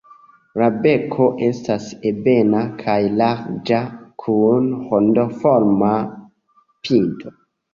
La beko estas ebena kaj larĝa, kun rondoforma pinto.